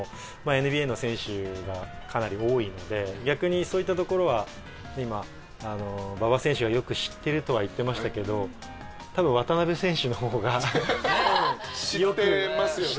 ＮＢＡの選手がかなり多いので逆にそういったところは今馬場選手はよく知ってるとは言ってましたけど多分渡邊選手の方がよく知ってるんじゃないかな。